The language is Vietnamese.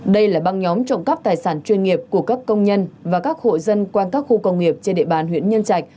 đây là băng nhóm trộm cắp tài sản chuyên nghiệp của các công nhân và các hộ dân quanh các khu công nghiệp trên địa bàn huyện nhân trạch